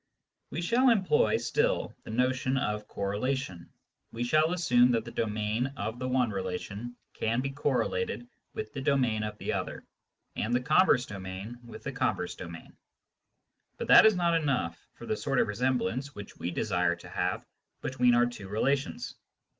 We shall employ still the notion of correlation : we shall assume that the domain of the one relation can be correlated with the domain of the other, and the converse domain with the converse domain ; but that is not enough for the sort of resem blance which we desire to have between our two relations.